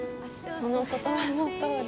その言葉のとおり。